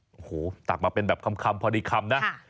โอ้โหตักมาเป็นแบบคำพอดีคำนะ